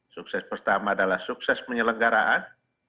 sukses pertama adalah sukses penyelenggaraan